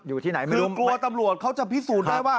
อยู่ที่ไหนไม่รู้กลัวตำรวจเขาจะพิสูจน์ได้ว่า